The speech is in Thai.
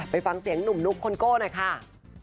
ไปฟังเสียงนุ่มนุ๊กคนโก้นะคะ